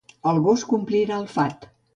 El gos complirà el fat